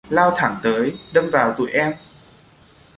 lao thẳng tới đâm vào tụi em